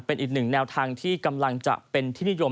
เป็นอีกหนึ่งแนวทางที่กำลังจะเป็นที่นิยม